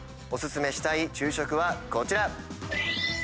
お薦めしたい昼食はこちら。